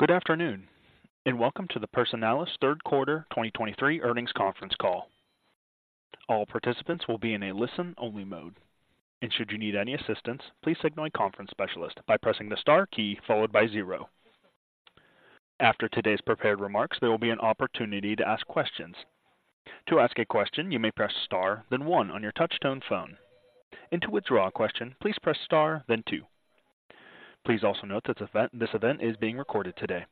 Good afternoon, and welcome to the Personalis Third Quarter 2023 Earnings Conference Call. All participants will be in a listen-only mode, and should you need any assistance, please signal a conference specialist by pressing the star key followed by zero. After today's prepared remarks, there will be an opportunity to ask questions. To ask a question, you may press star, then one on your touchtone phone, and to withdraw a question, please press star then two. Please also note that this event is being recorded today.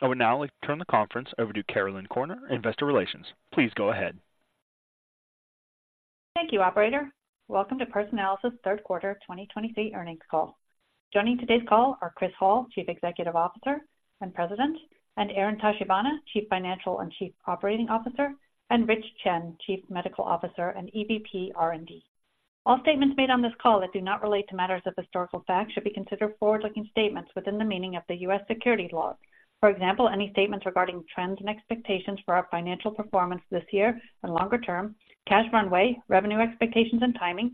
I would now like to turn the conference over to Caroline Corner, Investor Relations. Please go ahead. Thank you, operator. Welcome to Personalis's Third Quarter 2023 earnings call. Joining today's call are Chris Hall, Chief Executive Officer and President, and Aaron Tachibana, Chief Financial and Chief Operating Officer, and Rich Chen, Chief Medical Officer and EVP, R&D. All statements made on this call that do not relate to matters of historical fact should be considered forward-looking statements within the meaning of the U.S. securities laws. For example, any statements regarding trends and expectations for our financial performance this year and longer-term, cash runway, revenue expectations and timing,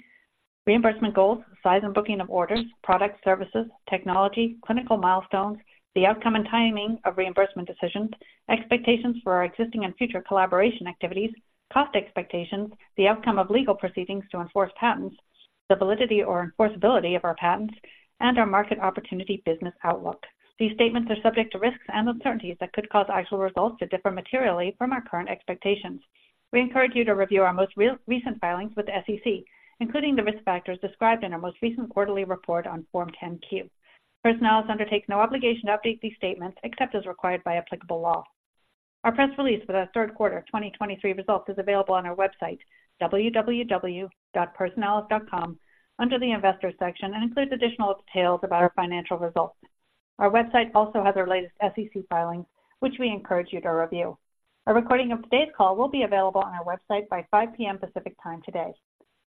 reimbursement goals, size and booking of orders, products, services, technology, clinical milestones, the outcome and timing of reimbursement decisions, expectations for our existing and future collaboration activities, cost expectations, the outcome of legal proceedings to enforce patents, the validity or enforceability of our patents, and our market opportunity business outlook. These statements are subject to risks and uncertainties that could cause actual results to differ materially from our current expectations. We encourage you to review our most recent filings with the SEC, including the risk factors described in our most recent quarterly report on Form 10-Q. Personalis undertakes no obligation to update these statements except as required by applicable law. Our press release for the third quarter of 2023 results is available on our website, www.personalis.com, under the investor section, and includes additional details about our financial results. Our website also has our latest SEC filings, which we encourage you to review. A recording of today's call will be available on our website by 5 P.M. Pacific Time today.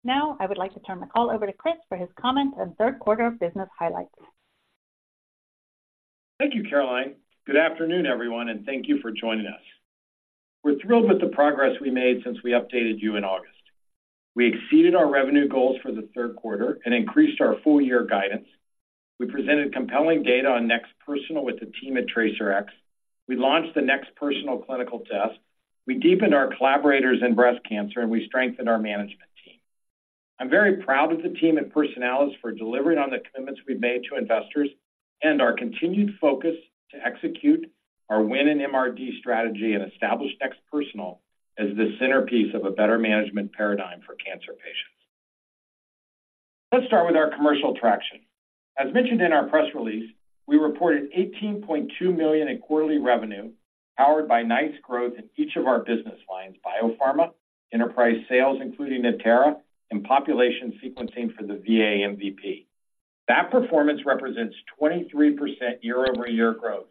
Now, I would like to turn the call over to Chris for his comments and third quarter business highlights. Thank you, Caroline. Good afternoon, everyone, and thank you for joining us. We're thrilled with the progress we made since we updated you in August. We exceeded our revenue goals for the third quarter and increased our full-year guidance. We presented compelling data on NeXT Personal with the team at TRACERx. We launched the NeXT Personal clinical test. We deepened our collaborators in breast cancer, and we strengthened our management team. I'm very proud of the team at Personalis for delivering on the commitments we've made to investors and our continued focus to execute our win in MRD strategy and establish NeXT Personal as the centerpiece of a better management paradigm for cancer patients. Let's start with our commercial traction. As mentioned in our press release, we reported $18.2 million in quarterly revenue, powered by nice growth in each of our business lines: biopharma, enterprise sales, including Natera, and population sequencing for the VA MVP. That performance represents 23% year-over-year growth.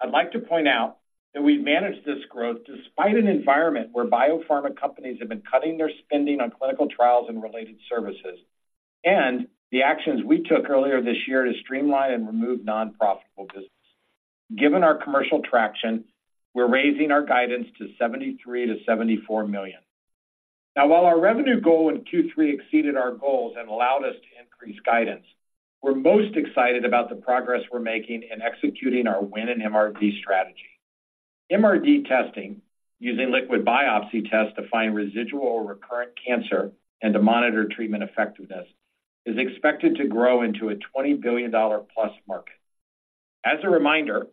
I'd like to point out that we've managed this growth despite an environment where biopharma companies have been cutting their spending on clinical trials and related services, and the actions we took earlier this year to streamline and remove non-profitable business. Given our commercial traction, we're raising our guidance to $73 million-$74 million. Now, while our revenue goal in Q3 exceeded our goals and allowed us to increase guidance, we're most excited about the progress we're making in executing our win in MRD strategy. MRD testing, using liquid biopsy tests to find residual or recurrent cancer and to monitor treatment effectiveness, is expected to grow into a $20 billion-plus market. As a reminder,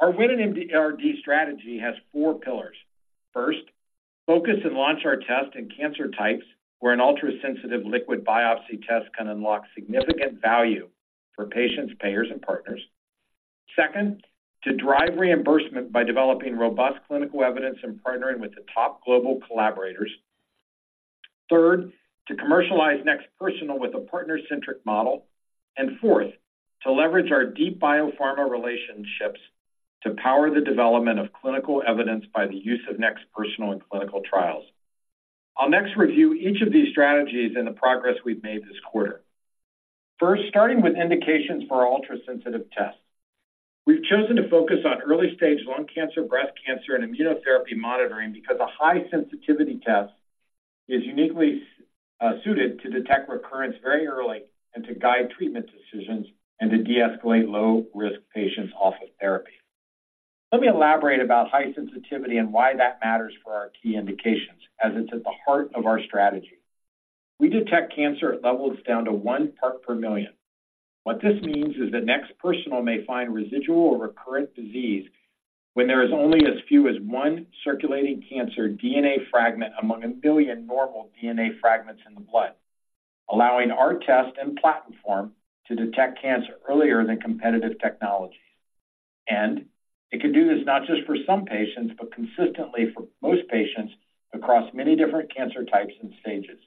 our win in MRD strategy has four pillars. First, focus and launch our test in cancer types where an ultrasensitive liquid biopsy test can unlock significant value for patients, payers, and partners. Second, to drive reimbursement by developing robust clinical evidence and partnering with the top global collaborators. Third, to commercialize NeXT Personal with a partner-centric model. And fourth, to leverage our deep biopharma relationships to power the development of clinical evidence by the use of NeXT Personal and clinical trials. I'll next review each of these strategies and the progress we've made this quarter. First, starting with indications for our ultrasensitive test. We've chosen to focus on early-stage lung cancer, breast cancer, and immunotherapy monitoring because a high-sensitivity test is uniquely suited to detect recurrence very early and to guide treatment decisions and to deescalate low-risk patients off of therapy. Let me elaborate about high sensitivity and why that matters for our key indications, as it's at the heart of our strategy. We detect cancer at levels down to 1 part per million. What this means is that NeXT Personal may find residual or recurrent disease when there is only as few as 1 circulating cancer DNA fragment among 1 billion normal DNA fragments in the blood, allowing our test and platform to detect cancer earlier than competitive technologies. And it can do this not just for some patients, but consistently for most patients across many different cancer types and stages.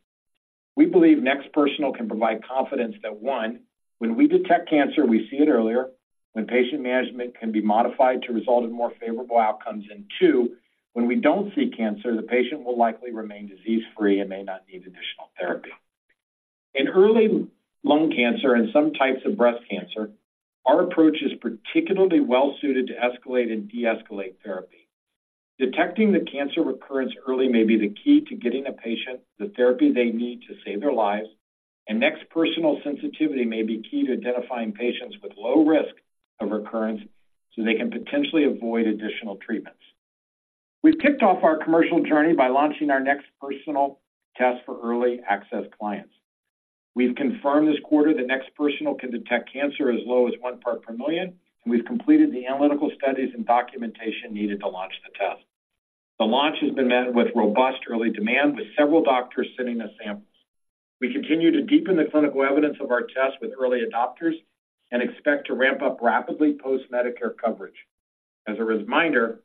We believe NeXT Personal can provide confidence that, one, when we detect cancer, we see it earlier when patient management can be modified to result in more favorable outcomes, and two, when we don't see cancer, the patient will likely remain disease-free and may not need additional therapy. In early lung cancer and some types of breast cancer, our approach is particularly well suited to escalate and deescalate therapy. Detecting the cancer recurrence early may be the key to getting a patient the therapy they need to save their lives, and NeXT Personal sensitivity may be key to identifying patients with low risk of recurrence so they can potentially avoid additional treatments. We've kicked off our commercial journey by launching our NeXT Personal test for early access clients. We've confirmed this quarter that NeXT Personal can detect cancer as low as one part per million, and we've completed the analytical studies and documentation needed to launch the test. The launch has been met with robust early demand, with several doctors sending us samples. We continue to deepen the clinical evidence of our test with early adopters and expect to ramp up rapidly post-Medicare coverage. As a reminder,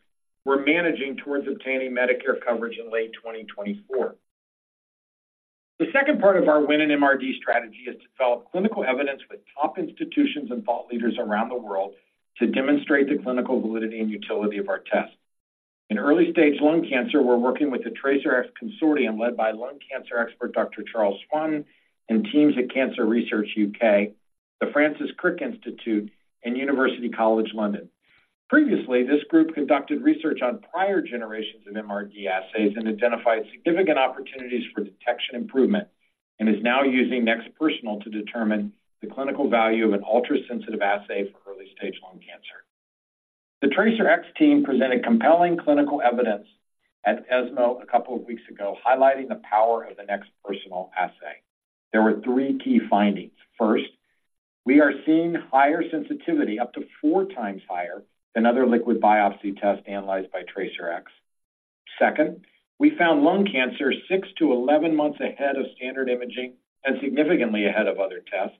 we're managing towards obtaining Medicare coverage in late 2024. The second part of our win in MRD strategy is to develop clinical evidence with top institutions and thought leaders around the world to demonstrate the clinical validity and utility of our test. In early-stage lung cancer, we're working with the TRACERx Consortium, led by lung cancer expert, Dr. Charles Swanton, and teams at Cancer Research UK, the Francis Crick Institute, and University College London. Previously, this group conducted research on prior generations of MRD assays and identified significant opportunities for detection improvement, and is now using NeXT Personal to determine the clinical value of an ultrasensitive assay for early-stage lung cancer. The TRACERx team presented compelling clinical evidence at ESMO a couple of weeks ago, highlighting the power of the NeXT Personal assay. There were three key findings. First, we are seeing higher sensitivity, up to four times higher than other liquid biopsy tests analyzed by TRACERx. Second, we found lung cancer 6-11 months ahead of standard imaging and significantly ahead of other tests.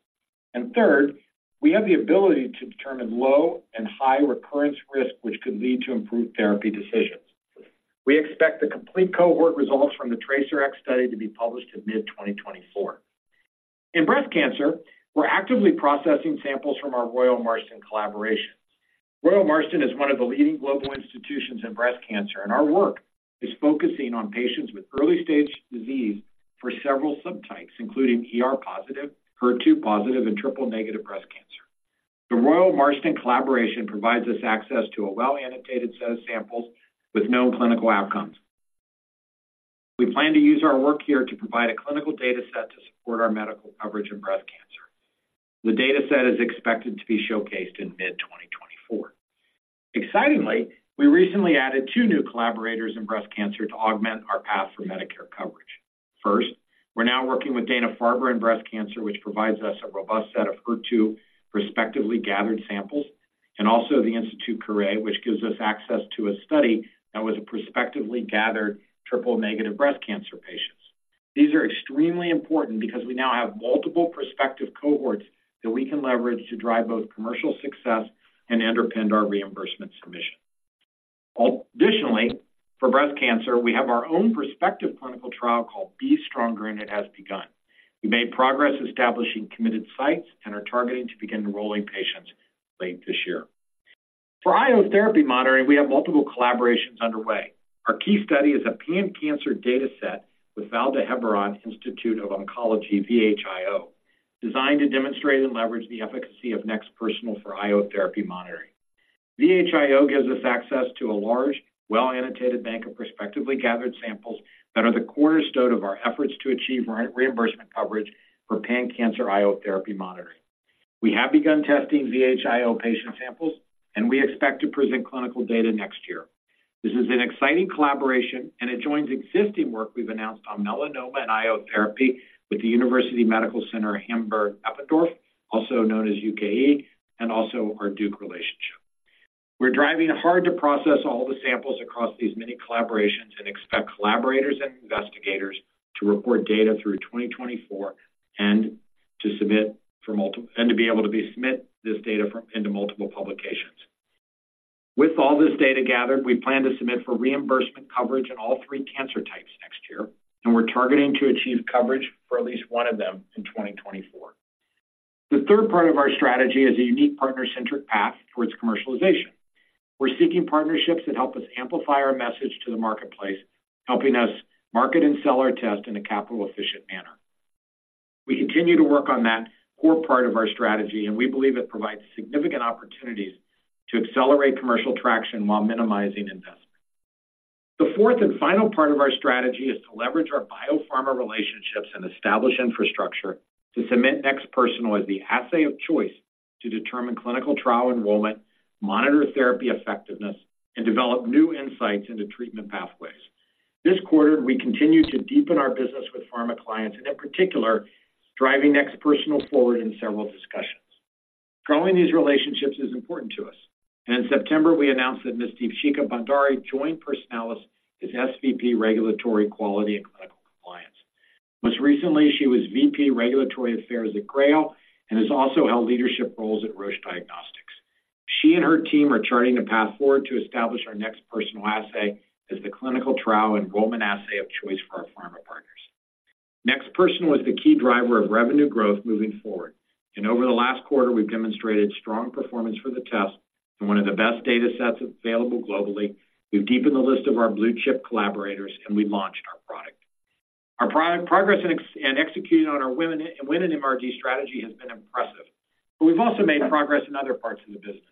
Third, we have the ability to determine low and high recurrence risk, which could lead to improved therapy decisions. We expect the complete cohort results from the TRACERx study to be published in mid-2024. In breast cancer, we're actively processing samples from our Royal Marsden collaborations. Royal Marsden is one of the leading global institutions in breast cancer, and our work is focusing on patients with early-stage disease for several subtypes, including ER positive, HER2 positive, and triple-negative breast cancer. The Royal Marsden collaboration provides us access to a well-annotated set of samples with known clinical outcomes. We plan to use our work here to provide a clinical data set to support our medical coverage in breast cancer. The data set is expected to be showcased in mid-2024. Excitingly, we recently added two new collaborators in breast cancer to augment our path for Medicare coverage. First, we're now working with Dana-Farber in breast cancer, which provides us a robust set of HER2 prospectively gathered samples, and also the Institut Curie, which gives us access to a study that was a prospectively gathered triple-negative breast cancer patients. These are extremely important because we now have multiple prospective cohorts that we can leverage to drive both commercial success and underpin our reimbursement submission. Additionally, for breast cancer, we have our own prospective clinical trial called B-STRONGER, and it has begun. We made progress establishing committed sites and are targeting to begin enrolling patients late this year. For IO therapy monitoring, we have multiple collaborations underway. Our key study is a pan-cancer data set with Vall d'Hebron Institute of Oncology, VHIO, designed to demonstrate and leverage the efficacy of NeXT Personal for IO therapy monitoring. VHIO gives us access to a large, well-annotated bank of prospectively gathered samples that are the cornerstone of our efforts to achieve reimbursement coverage for pan-cancer IO therapy monitoring. We have begun testing VHIO patient samples, and we expect to present clinical data next year. This is an exciting collaboration, and it joins existing work we've announced on melanoma and IO therapy with the University Medical Center Hamburg-Eppendorf, also known as UKE, and also our Duke relationship. We're driving hard to process all the samples across these many collaborations and expect collaborators and investigators to report data through 2024 and to be able to submit this data into multiple publications. With all this data gathered, we plan to submit for reimbursement coverage in all three cancer types next year, and we're targeting to achieve coverage for at least one of them in 2024. The third part of our strategy is a unique partner-centric path towards commercialization. We're seeking partnerships that help us amplify our message to the marketplace, helping us market and sell our test in a capital-efficient manner. We continue to work on that core part of our strategy, and we believe it provides significant opportunities to accelerate commercial traction while minimizing investment. The fourth and final part of our strategy is to leverage our biopharma relationships and establish infrastructure to submit NeXT Personal as the assay of choice to determine clinical trial enrollment, monitor therapy effectiveness, and develop new insights into treatment pathways. This quarter, we continued to deepen our business with pharma clients and, in particular, driving NeXT Personal forward in several discussions. Growing these relationships is important to us, and in September, we announced that Ms. Deepshikha Bhandari joined Personalis as SVP, Regulatory Quality and Clinical Compliance. Most recently, she was VP, Regulatory Affairs at Grail and has also held leadership roles at Roche Diagnostics. She and her team are charting a path forward to establish our NeXT Personal assay as the clinical trial enrollment assay of choice for our pharma partners. NeXT Personal is the key driver of revenue growth moving forward, and over the last quarter, we've demonstrated strong performance for the test and one of the best data sets available globally. We've deepened the list of our blue-chip collaborators, and we've launched our partner- Our progress and executing on our winning MRD strategy has been impressive, but we've also made progress in other parts of the business.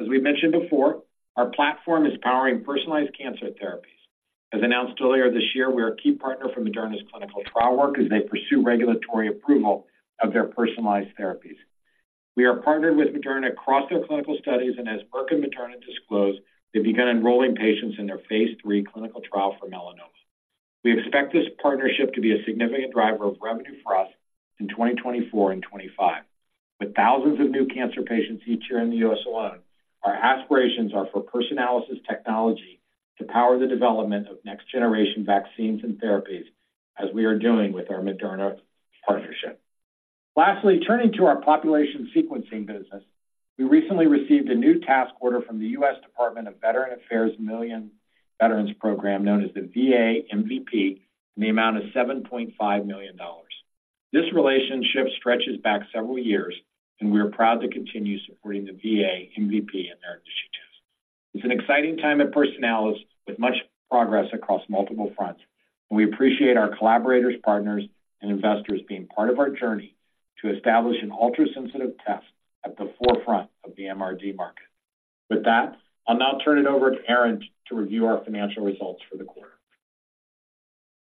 As we've mentioned before, our platform is powering personalized cancer therapies. As announced earlier this year, we are a key partner for Moderna's clinical trial work as they pursue regulatory approval of their personalized therapies. We are partnered with Moderna across their clinical studies, and as Merck and Moderna disclosed, they've begun enrolling patients in their phase 3 clinical trial for melanoma. We expect this partnership to be a significant driver of revenue for us in 2024 and 2025. With thousands of new cancer patients each year in the U.S. alone, our aspirations are for Personalis technology to power the development of next-generation vaccines and therapies, as we are doing with our Moderna partnership. Lastly, turning to our population sequencing business, we recently received a new task order from the U.S. Department of Veterans Affairs Million Veterans Program, known as the VA MVP, in the amount of $7.5 million. This relationship stretches back several years, and we are proud to continue supporting the VA MVP in their initiatives. It's an exciting time at Personalis, with much progress across multiple fronts, and we appreciate our collaborators, partners and investors being part of our journey to establish an ultrasensitive test at the forefront of the MRD market. With that, I'll now turn it over to Aaron to review our financial results for the quarter.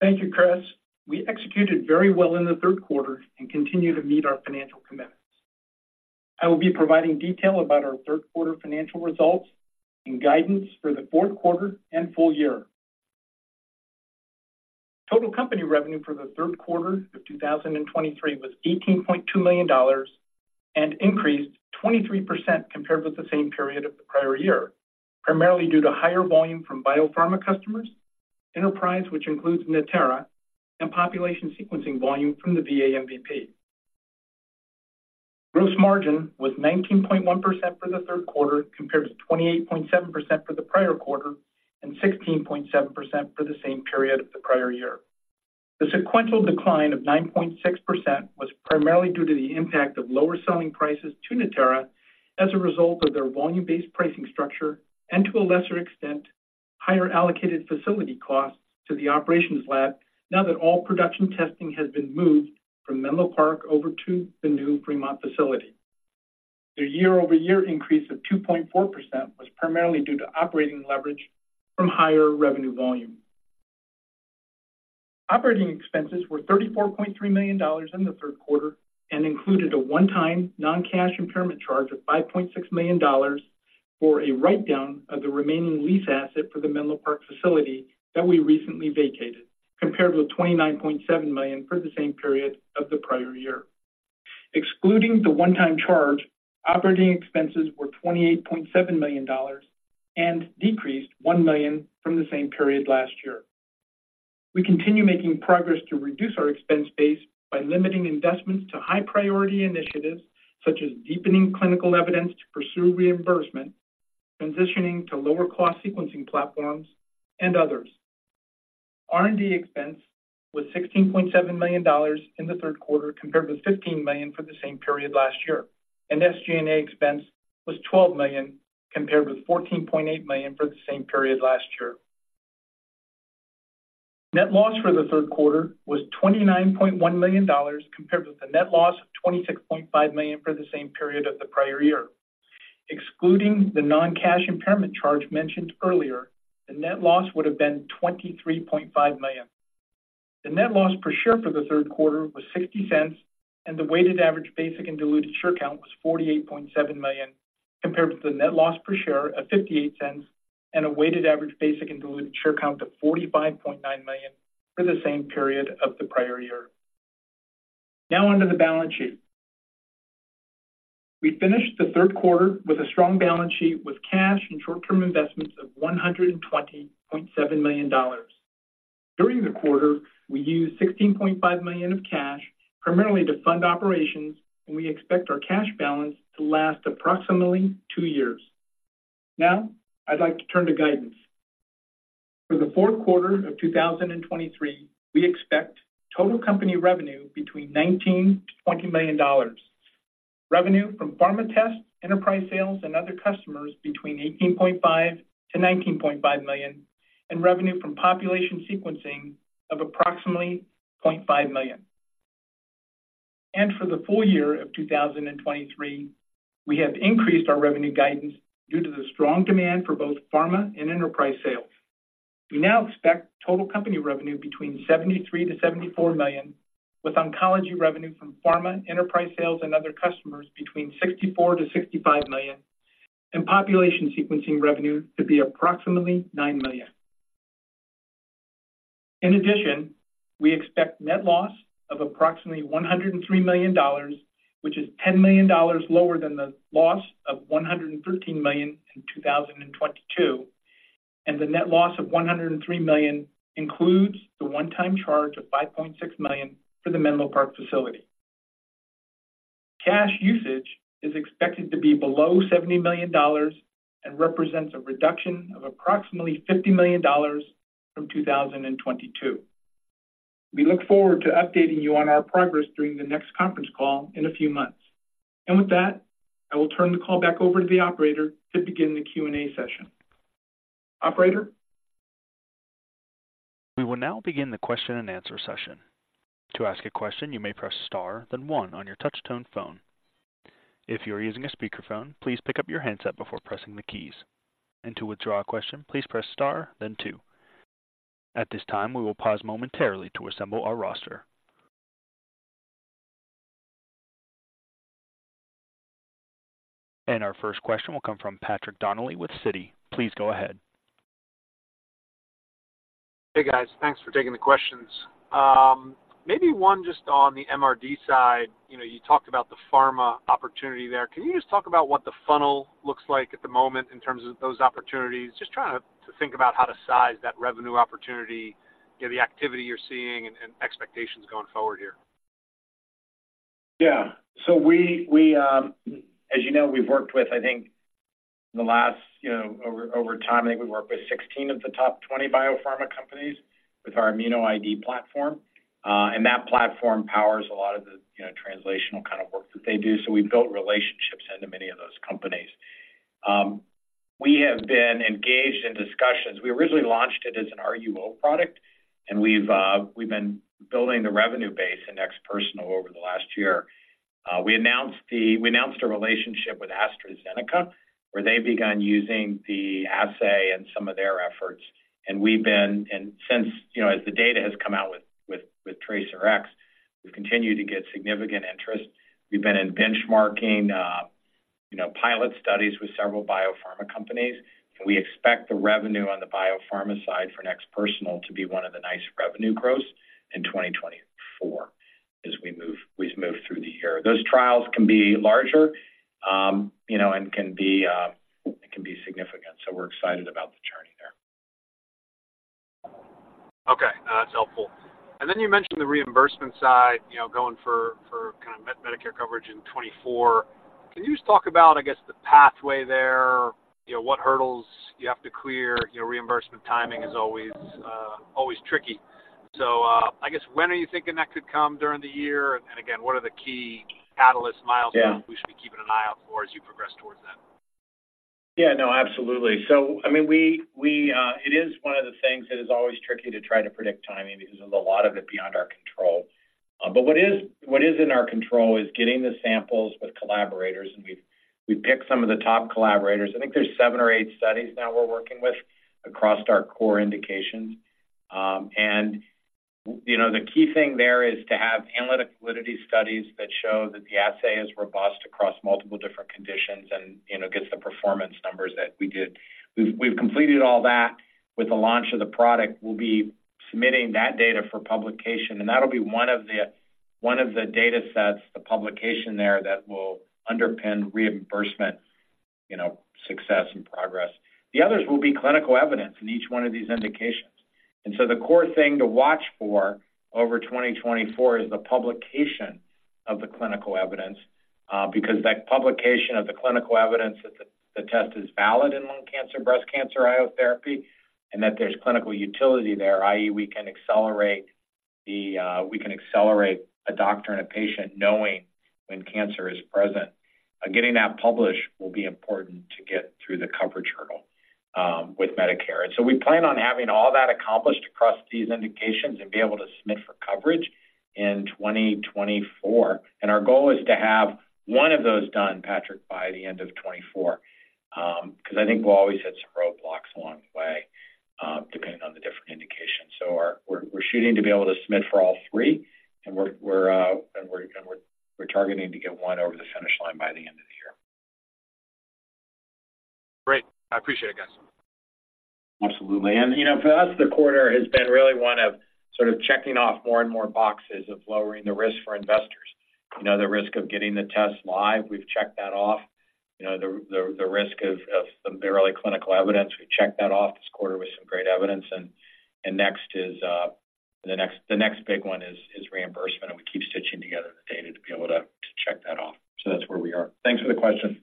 Thank you, Chris. We executed very well in the third quarter and continue to meet our financial commitments. I will be providing detail about our third quarter financial results and guidance for the fourth quarter and full year. Total company revenue for the third quarter of 2023 was $18.2 million and increased 23% compared with the same period of the prior year, primarily due to higher volume from biopharma customers, enterprise, which includes Natera, and population sequencing volume from the VA MVP. Gross margin was 19.1% for the third quarter, compared to 28.7% for the prior quarter and 16.7% for the same period of the prior year. The sequential decline of 9.6% was primarily due to the impact of lower selling prices to Natera as a result of their volume-based pricing structure and, to a lesser extent, higher allocated facility costs to the operations lab now that all production testing has been moved from Menlo Park over to the new Fremont facility. The year-over-year increase of 2.4% was primarily due to operating leverage from higher revenue volume. Operating expenses were $34.3 million in the third quarter and included a one-time non-cash impairment charge of $5.6 million for a write-down of the remaining lease asset for the Menlo Park facility that we recently vacated, compared with $29.7 million for the same period of the prior year. Excluding the one-time charge, operating expenses were $28.7 million and decreased $1 million from the same period last year. We continue making progress to reduce our expense base by limiting investments to high-priority initiatives, such as deepening clinical evidence to pursue reimbursement, transitioning to lower-cost sequencing platforms, and others. R&D expense was $16.7 million in the third quarter, compared with $15 million for the same period last year, and SG&A expense was $12 million, compared with $14.8 million for the same period last year. Net loss for the third quarter was $29.1 million, compared with a net loss of $26.5 million for the same period of the prior year. Excluding the non-cash impairment charge mentioned earlier, the net loss would have been $23.5 million. The net loss per share for the third quarter was $0.60, and the weighted average basic and diluted share count was 48.7 million, compared with a net loss per share of $0.58 and a weighted average basic and diluted share count of 45.9 million for the same period of the prior year. Now on to the balance sheet. We finished the third quarter with a strong balance sheet, with cash and short-term investments of $120.7 million. During the quarter, we used $16.5 million of cash, primarily to fund operations, and we expect our cash balance to last approximately two years. Now, I'd like to turn to guidance. For the fourth quarter of 2023, we expect total company revenue between $19 million-$20 million. Revenue from pharma tests, enterprise sales, and other customers between $18.5 million-$19.5 million, and revenue from population sequencing of approximately $0.5 million. And for the full year of 2023, we have increased our revenue guidance due to the strong demand for both pharma and enterprise sales. We now expect total company revenue between $73 million-$74 million, with oncology revenue from pharma, enterprise sales, and other customers between $64 million-$65 million, and population sequencing revenue to be approximately $9 million. In addition, we expect net loss of approximately $103 million, which is $10 million lower than the loss of $113 million in 2022, and the net loss of $103 million includes the one-time charge of $5.6 million for the Menlo Park facility. Cash usage is expected to be below $70 million and represents a reduction of approximately $50 million from 2022. We look forward to updating you on our progress during the next conference call in a few months. With that, I will turn the call back over to the operator to begin the Q&A session. Operator? We will now begin the question-and-answer session. To ask a question, you may press star, then one on your touch-tone phone. If you are using a speakerphone, please pick up your handset before pressing the keys. To withdraw a question, please press star, then two. At this time, we will pause momentarily to assemble our roster. Our first question will come from Patrick Donnelly with Citi. Please go ahead. Hey, guys. Thanks for taking the questions. Maybe one just on the MRD side. You know, you talked about the pharma opportunity there. Can you just talk about what the funnel looks like at the moment in terms of those opportunities? Just trying to think about how to size that revenue opportunity, you know, the activity you're seeing and expectations going forward here. Yeah. So as you know, we've worked with, I think, over time, I think we've worked with 16 of the top 20 biopharma companies with our ImmunoID platform. And that platform powers a lot of the, you know, translational kind of work that they do. So we've built relationships into many of those companies. We have been engaged in discussions. We originally launched it as an RUO product, and we've been building the revenue base in Personalis over the last year. We announced a relationship with AstraZeneca, where they've begun using the assay in some of their efforts, and we've been. And since, you know, as the data has come out with TRACERx, we've continued to get significant interest. We've been in benchmarking, you know, pilot studies with several biopharma companies, and we expect the revenue on the biopharma side for NeXT Personal to be one of the nice revenue growths in 2024 as we move, we've moved through the year. Those trials can be larger, you know, and can be, can be significant, so we're excited about the journey there. Okay, that's helpful. And then you mentioned the reimbursement side, you know, going for, for kind of Medicare coverage in 2024. Can you just talk about, I guess, the pathway there? You know, what hurdles you have to clear? You know, reimbursement timing is always, always tricky. So, I guess when are you thinking that could come during the year? And again, what are the key catalyst milestones- Yeah. We should be keeping an eye out for as you progress towards that? Yeah. No, absolutely. So I mean, it is one of the things that is always tricky to try to predict timing because there's a lot of it beyond our control. But what is in our control is getting the samples with collaborators, and we've picked some of the top collaborators. I think there's seven or eight studies now we're working with across our core indications. And, you know, the key thing there is to have analytic validity studies that show that the assay is robust across multiple different conditions and, you know, gets the performance numbers that we did. We've completed all that with the launch of the product. We'll be submitting that data for publication, and that'll be one of the datasets, the publication there, that will underpin reimbursement, you know, success and progress. The others will be clinical evidence in each one of these indications. So the core thing to watch for over 2024 is the publication of the clinical evidence, because that publication of the clinical evidence that the test is valid in lung cancer, breast cancer, IO therapy, and that there's clinical utility there, i.e., we can accelerate a doctor and a patient knowing when cancer is present. Getting that published will be important to get through the coverage hurdle with Medicare. So we plan on having all that accomplished across these indications and be able to submit for coverage in 2024. Our goal is to have one of those done, Patrick, by the end of 2024, because I think we'll always hit some roadblocks along the way, depending on the different indications. So we're shooting to be able to submit for all three, and we're targeting to get one over the finish line by the end of the year. Great. I appreciate it, guys. Absolutely. And, you know, for us, the quarter has been really one of sort of checking off more and more boxes of lowering the risk for investors. You know, the risk of getting the test live, we've checked that off. You know, the risk of some barely clinical evidence, we've checked that off this quarter with some great evidence. And next is the next big one is reimbursement, and we keep stitching together the data to be able to check that off. So that's where we are. Thanks for the question.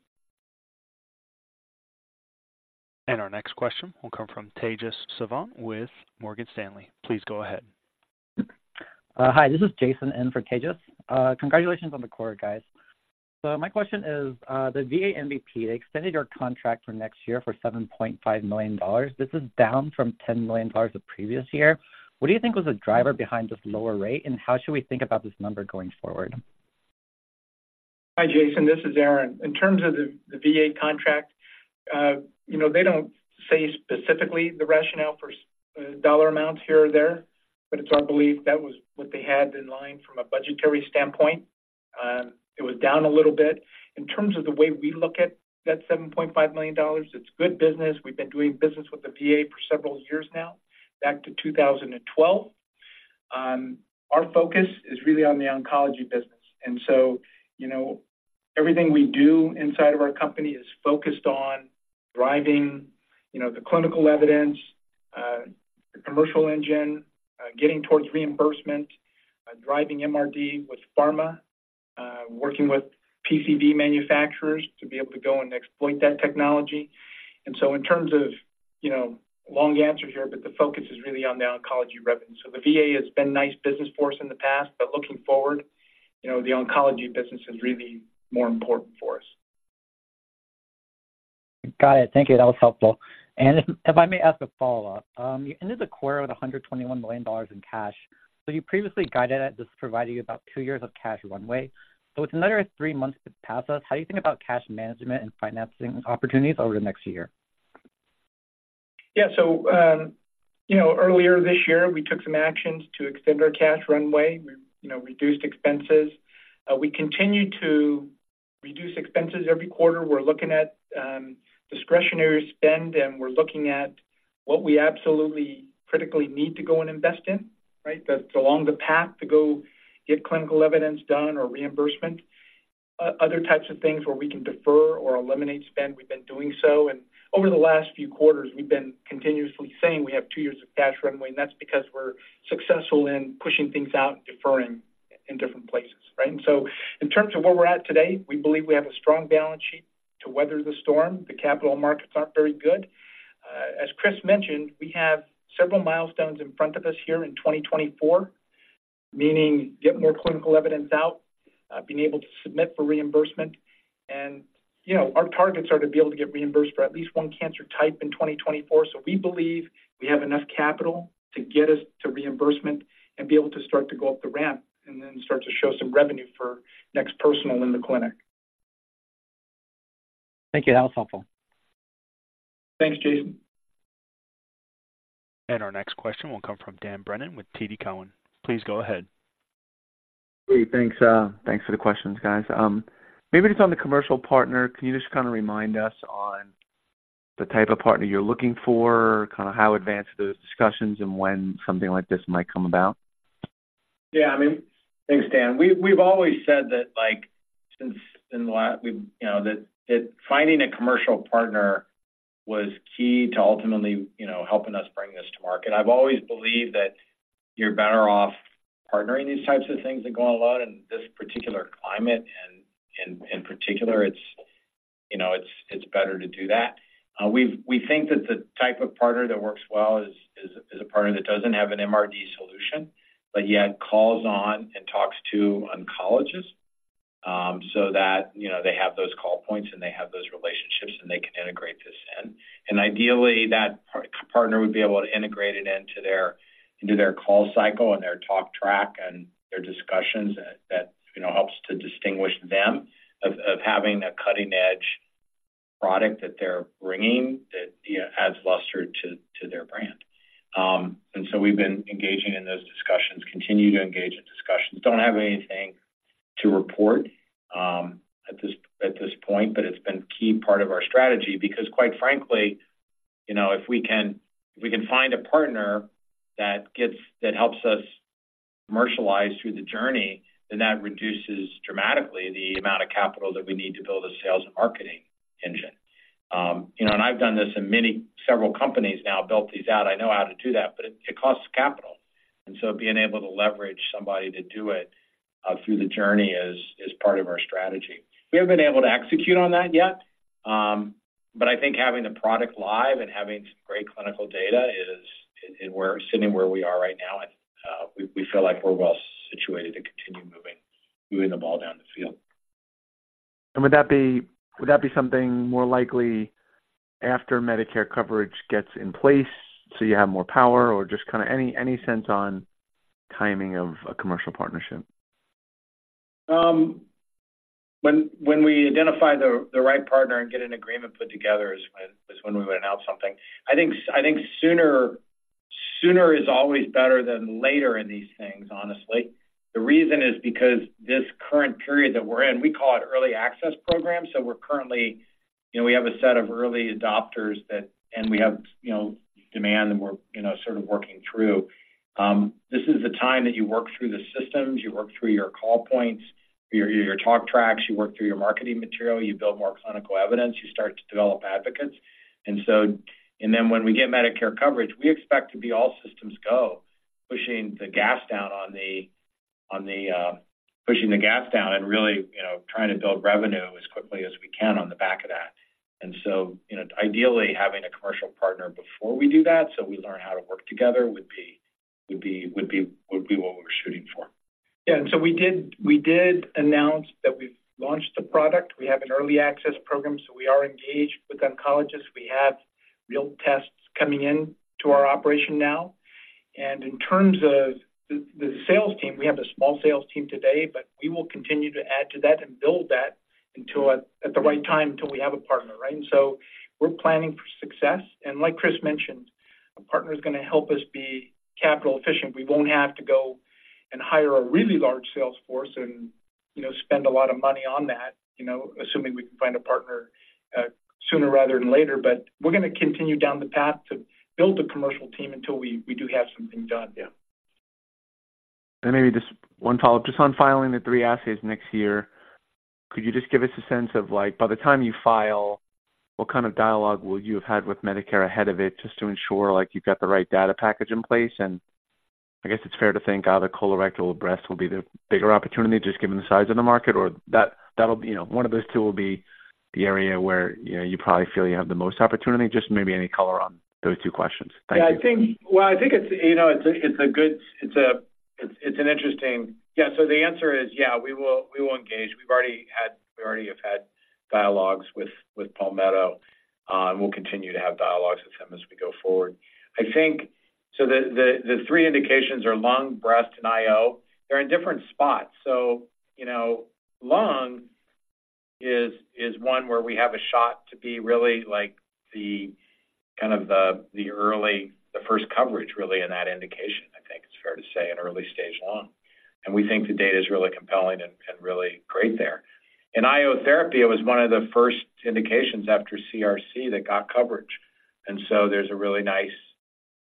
Our next question will come from Tejas Savant with Morgan Stanley. Please go ahead. Hi, this is Jason in for Tejas. Congratulations on the quarter, guys. So my question is, the VA MVP, they extended your contract for next year for $7.5 million. This is down from $10 million the previous year. What do you think was the driver behind this lower rate, and how should we think about this number going forward? Hi, Jason. This is Aaron. In terms of the VA contract, you know, they don't say specifically the rationale for dollar amounts here or there, but it's our belief that was what they had in line from a budgetary standpoint. It was down a little bit. In terms of the way we look at that $7.5 million, it's good business. We've been doing business with the VA for several years now, back to 2012. Our focus is really on the oncology business, and so, you know, everything we do inside of our company is focused on driving, you know, the clinical evidence, the commercial engine, getting towards reimbursement, driving MRD with pharma, working with PCB manufacturers to be able to go and exploit that technology. And so in terms of, you know- Long answer here, but the focus is really on the oncology revenue. So the VA has been nice business for us in the past, but looking forward, you know, the oncology business is really more important for us. Got it. Thank you. That was helpful. And if I may ask a follow-up, you ended the quarter with $121 million in cash, so you previously guided that this provided you about two years of cash runway. So with another three months to pass us, how do you think about cash management and financing opportunities over the next year? Yeah. So, you know, earlier this year, we took some actions to extend our cash runway. We, you know, reduced expenses. We continue to reduce expenses every quarter. We're looking at discretionary spend, and we're looking at what we absolutely critically need to go and invest in, right? That's along the path to go get clinical evidence done or reimbursement. Other types of things where we can defer or eliminate spend, we've been doing so. And over the last few quarters, we've been continuously saying we have two years of cash runway, and that's because we're successful in pushing things out and deferring in different places, right? And so in terms of where we're at today, we believe we have a strong balance sheet to weather the storm. The capital markets aren't very good. As Chris mentioned, we have several milestones in front of us here in 2024, meaning get more clinical evidence out, being able to submit for reimbursement. And, you know, our targets are to be able to get reimbursed for at least one cancer type in 2024. So we believe we have enough capital to get us to reimbursement and be able to start to go up the ramp and then start to show some revenue for NeXT Personal in the clinic. Thank you. That was helpful. Thanks, Jason. Our next question will come from Dan Brennan with TD Cowen. Please go ahead. Hey, thanks, Thanks for the questions, guys. Maybe just on the commercial partner, can you just kinda remind us on the type of partner you're looking for, kinda how advanced those discussions are, and when something like this might come about? Yeah, I mean, thanks, Dan. We've always said that, like, since in the last—we've, you know, that finding a commercial partner was key to ultimately, you know, helping us bring this to market. I've always believed that you're better off partnering these types of things than going alone in this particular climate, and in particular, it's, you know, it's better to do that. We think that the type of partner that works well is a partner that doesn't have an MRD solution, but yet calls on and talks to oncologists, so that, you know, they have those call points, and they have those relationships, and they can integrate this in. And ideally, that partner would be able to integrate it into their call cycle and their talk track and their discussions. That you know helps to distinguish them of having a cutting-edge product that they're bringing that yeah adds luster to their brand. And so we've been engaging in those discussions, continue to engage in discussions. Don't have anything to report at this point, but it's been key part of our strategy because, quite frankly, you know, if we can find a partner that helps us commercialize through the journey, then that reduces dramatically the amount of capital that we need to build a sales and marketing engine. You know, and I've done this in several companies now, built these out. I know how to do that, but it costs capital, and so being able to leverage somebody to do it through the journey is part of our strategy. We haven't been able to execute on that yet, but I think having the product live and having some great clinical data is. And we're sitting where we are right now, and we feel like we're well situated to continue moving the ball down the field. Would that be something more likely after Medicare coverage gets in place so you have more power or just kinda any sense on timing of a commercial partnership? When we identify the right partner and get an agreement put together is when we would announce something. I think sooner is always better than later in these things, honestly. The reason is because this current period that we're in, we call it early access program, so we're currently. You know, we have a set of early adopters and we have, you know, demand, and we're, you know, sort of working through. This is the time that you work through the systems, you work through your call points, your talk tracks, you work through your marketing material, you build more clinical evidence, you start to develop advocates. And then when we get Medicare coverage, we expect to be all systems go, pushing the gas down and really, you know, trying to build revenue as quickly as we can on the back of that. And so, you know, ideally, having a commercial partner before we do that, so we learn how to work together would be what we're shooting for. Yeah, and so we did announce that we've launched the product. We have an early access program, so we are engaged with oncologists. We have real tests coming in to our operation now. And in terms of the sales team, we have a small sales team today, but we will continue to add to that and build that until at the right time, until we have a partner, right? And so we're planning for success, and like Chris mentioned, a partner is gonna help us be capital efficient. We won't have to go and hire a really large sales force and, you know, spend a lot of money on that, you know, assuming we can find a partner sooner rather than later. But we're gonna continue down the path to build a commercial team until we do have something done. Yeah. Maybe just one follow-up, just on filing the three assays next year, could you just give us a sense of, like, by the time you file, what kind of dialogue will you have had with Medicare ahead of it, just to ensure, like, you've got the right data package in place. I guess it's fair to think either colorectal or breast will be the bigger opportunity, just given the size of the market, or that, that'll be, you know, one of those two will be the area where, you know, you probably feel you have the most opportunity. Just maybe any color on those two questions. Thank you. Yeah, so the answer is yeah, we will engage. We've already had, we already have had dialogues with Palmetto, and we'll continue to have dialogues with them as we go forward. I think the three indications are lung, breast, and IO. They're in different spots. So, you know, lung is one where we have a shot to be really like the kind of the early, the first coverage, really, in that indication. I think it's fair to say, in early stage lung. And we think the data is really compelling and really great there. In IO therapy, it was one of the first indications after CRC that got coverage, and so there's a really nice,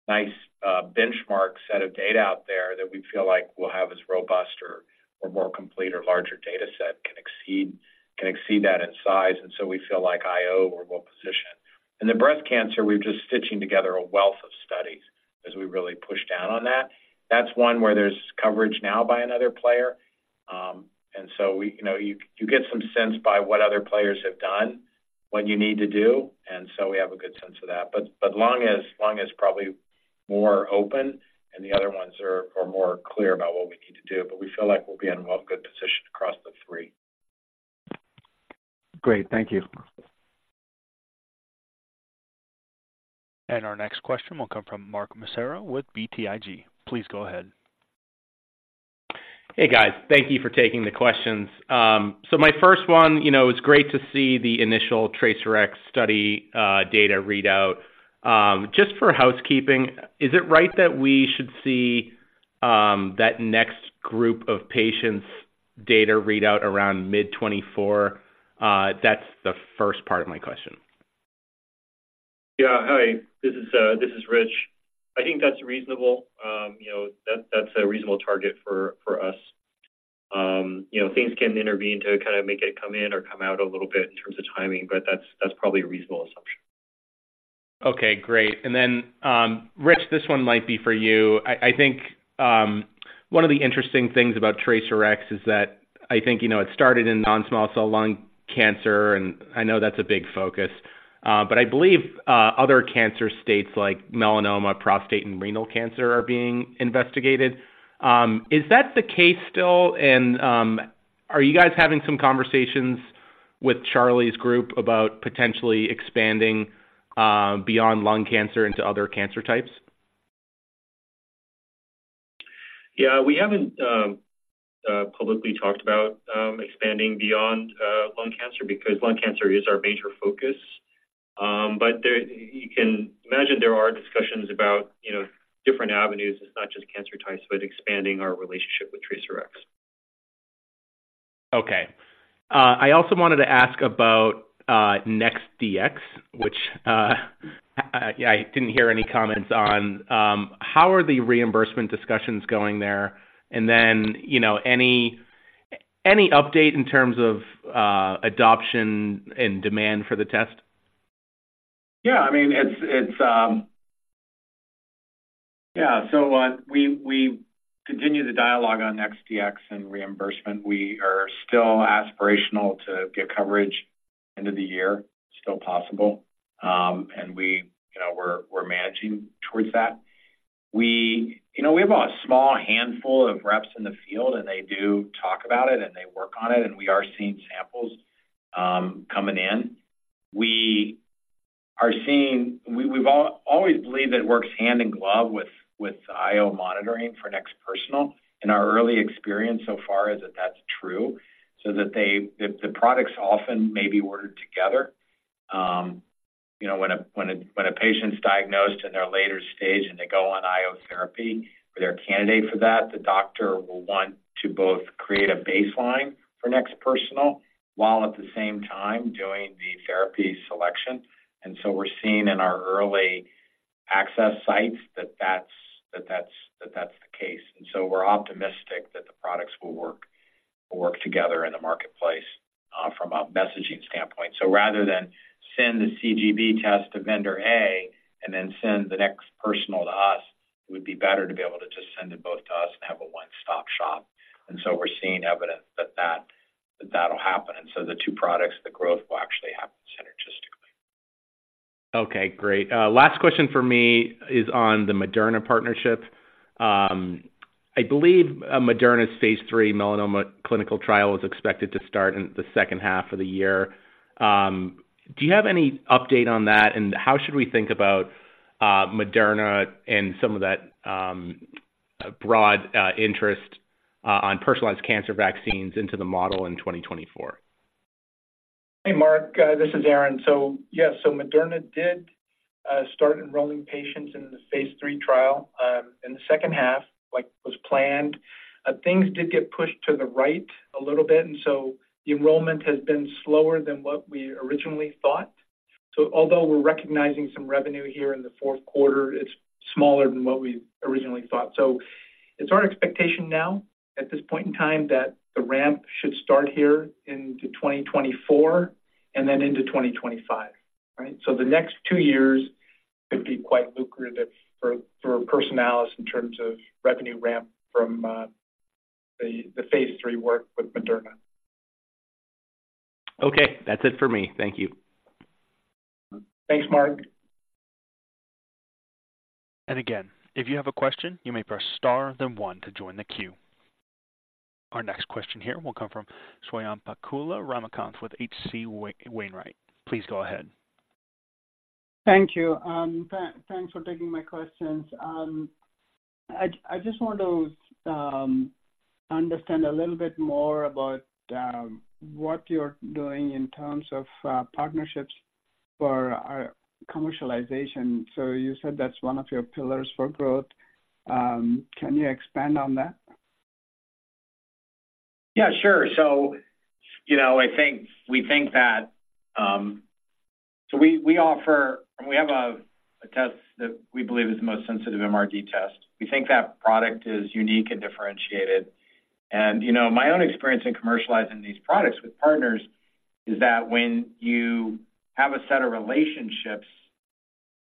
nice, benchmark set of data out there that we feel like we'll have as robust or, or more complete or larger data set, can exceed, can exceed that in size. And so we feel like IO, we're well-positioned. In the breast cancer, we're just stitching together a wealth of studies as we really push down on that. That's one where there's coverage now by another player. And so we. You know, you, you get some sense by what other players have done, what you need to do, and so we have a good sense of that. But, but lung is, lung is probably more open, and the other ones are, are more clear about what we need to do. But we feel like we'll be in a well good position across the three. Great. Thank you. Our next question will come from Mark Massaro with BTIG. Please go ahead. Hey, guys. Thank you for taking the questions. So my first one, you know, it's great to see the initial TRACERx study data readout. Just for housekeeping, is it right that we should see that next group of patients' data readout around mid-2024? That's the first part of my question. Yeah. Hi, this is Rich. I think that's reasonable. You know, that's a reasonable target for us. You know, things can intervene to kind of make it come in or come out a little bit in terms of timing, but that's probably a reasonable assumption. Okay, great. And then, Rich, this one might be for you. I think one of the interesting things about TRACERx is that I think, you know, it started in non-small cell lung cancer, and I know that's a big focus. But I believe other cancer states like melanoma, prostate, and renal cancer are being investigated. Is that the case still, and are you guys having some conversations with Charlie's group about potentially expanding beyond lung cancer into other cancer types? Yeah. We haven't publicly talked about expanding beyond lung cancer because lung cancer is our major focus. But there, you can imagine there are discussions about, you know, different avenues. It's not just cancer types, but expanding our relationship with TRACERx. Okay. I also wanted to ask about, NeXT Dx, which, I didn't hear any comments on. How are the reimbursement discussions going there? And then, you know, any, any update in terms of, adoption and demand for the test? Yeah, I mean, we continue the dialogue on NeXT Dx and reimbursement. We are still aspirational to get coverage end of the year, still possible. And we, you know, are managing towards that. You know, we have a small handful of reps in the field, and they do talk about it, and they work on it, and we are seeing samples coming in. We are seeing we've always believed it works hand in glove with IO monitoring for NeXT Personal, and our early experience so far is that that's true, so that they. The products often may be ordered together. You know, when a patient's diagnosed in their later stage and they go on IO therapy or they're a candidate for that, the doctor will want to both create a baseline for NeXT Personal, while at the same time doing the therapy selection. And so we're seeing in our early access sites that that's the case. And so we're optimistic that the products will work together in the marketplace, from a messaging standpoint. So rather than send the CGP test to vendor A and then send the NeXT Personal to us, it would be better to be able to just send them both to us and have a one-stop shop. And so we're seeing evidence that that'll happen. And so the two products, the growth will actually happen synergistically. Okay, great. Last question for me is on the Moderna partnership. I believe, Moderna's phase three melanoma clinical trial is expected to start in the second half of the year. Do you have any update on that, and how should we think about, Moderna and some of that, broad, interest, on personalized cancer vaccines into the model in 2024? Hey, Mark, this is Aaron. So, yeah, so Moderna did start enrolling patients in the phase 3 trial in the second half, like was planned. Things did get pushed to the right a little bit, and so the enrollment has been slower than what we originally thought. So although we're recognizing some revenue here in the fourth quarter, it's smaller than what we originally thought. So it's our expectation now, at this point in time, that the ramp should start here into 2024 and then into 2025. Right? So the next two years could be quite lucrative for Personalis in terms of revenue ramp from the phase three work with Moderna. Okay, that's it for me. Thank you. Thanks, Mark. And again, if you have a question, you may press Star, then one to join the queue. Our next question here will come from Swayampakula Ramakanth with H.C. Wainwright. Please go ahead. Thank you. Thanks for taking my questions. I just want to understand a little bit more about what you're doing in terms of partnerships for our commercialization. So you said that's one of your pillars for growth. Can you expand on that? Yeah, sure. So, you know, I think, we think that, so we offer -- we have a test that we believe is the most sensitive MRD test. We think that product is unique and differentiated. And, you know, my own experience in commercializing these products with partners is that when you have a set of relationships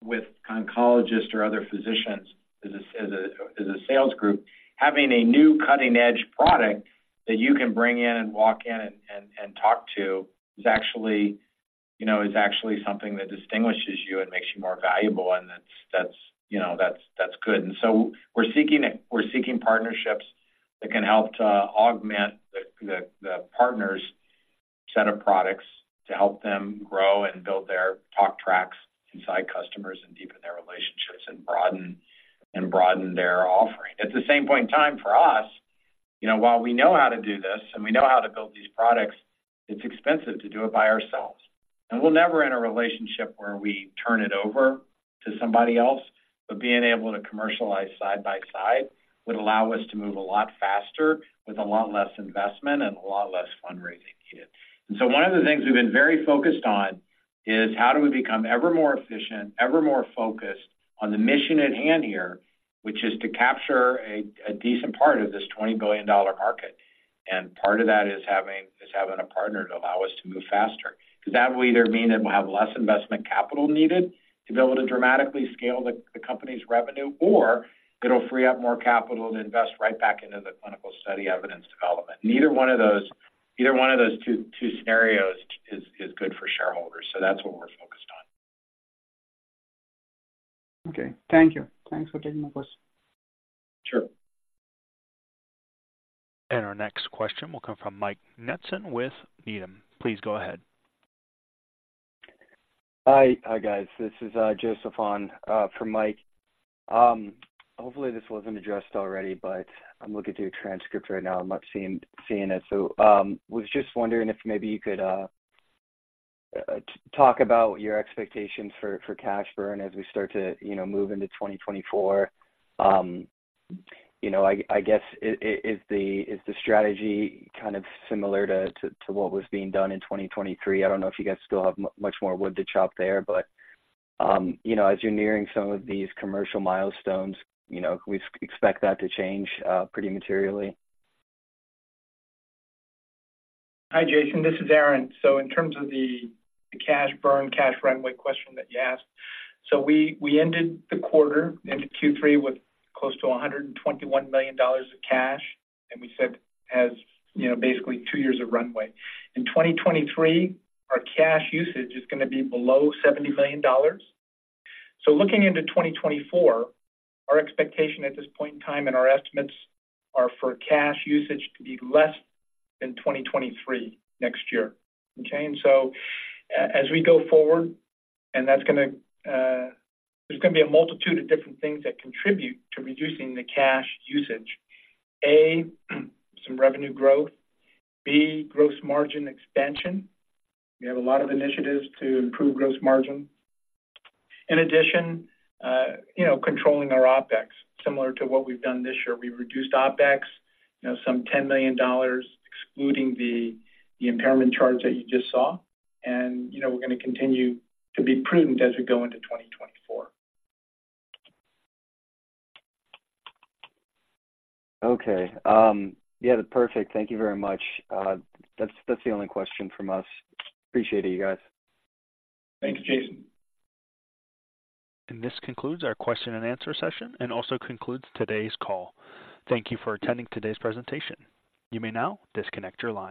with oncologists or other physicians, as a sales group, having a new cutting-edge product that you can bring in and walk in and talk to is actually, you know, is actually something that distinguishes you and makes you more valuable. And that's, you know, good. So we're seeking partnerships that can help to augment the partners' set of products to help them grow and build their talk tracks inside customers and deepen their relationships and broaden their offering. At the same point in time, for us, you know, while we know how to do this and we know how to build these products, it's expensive to do it by ourselves. We'll never in a relationship where we turn it over to somebody else, but being able to commercialize side by side would allow us to move a lot faster with a lot less investment and a lot less fundraising needed. So one of the things we've been very focused on is how do we become ever more efficient, ever more focused on the mission at hand here, which is to capture a decent part of this $20 billion market. Part of that is having a partner to allow us to move faster. That will either mean that we'll have less investment capital needed to be able to dramatically scale the company's revenue, or it'll free up more capital to invest right back into the clinical study evidence development. Either one of those two scenarios is good for shareholders, so that's what we're focused on. Okay. Thank you. Thanks for taking my question. Sure. Our next question will come from Mike Matson with Needham. Please go ahead. Hi. Hi, guys. This is Joseph on for Mike. Hopefully, this wasn't addressed already, but I'm looking through your transcript right now. I'm not seeing it. So, was just wondering if maybe you could talk about your expectations for cash burn as we start to, you know, move into 2024. You know, I guess, is the strategy kind of similar to what was being done in 2023? I don't know if you guys still have much more wood to chop there, but, you know, as you're nearing some of these commercial milestones, you know, we expect that to change pretty materially. Hi, Jason, this is Aaron. So in terms of the cash burn, cash runway question that you asked, so we ended the quarter, ended Q3 with close to $121 million of cash, and we said has, you know, basically two years of runway. In 2023, our cash usage is gonna be below $70 million. So looking into 2024, our expectation at this point in time and our estimates are for cash usage to be less than 2023 next year. Okay? And so as we go forward, and that's gonna, there's gonna be a multitude of different things that contribute to reducing the cash usage. A, some revenue growth. B, gross margin expansion. We have a lot of initiatives to improve gross margin. In addition, you know, controlling our OpEx, similar to what we've done this year. We've reduced OpEx, you know, some $10 million, excluding the impairment charge that you just saw. You know, we're gonna continue to be prudent as we go into 2024. Okay. Yeah, perfect. Thank you very much. That's, that's the only question from us. Appreciate it, you guys. Thanks, Jason. This concludes our question and answer session, and also concludes today's call. Thank you for attending today's presentation. You may now disconnect your lines.